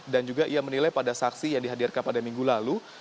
dan juga ia menilai pada saksi yang dihadirkan pada minggu lalu